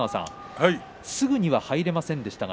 すぐには入れませんでしたが。